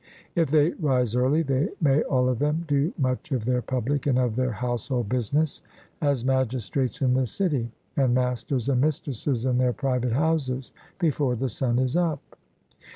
If they rise early, they may all of them do much of their public and of their household business, as magistrates in the city, and masters and mistresses in their private houses, before the sun is up.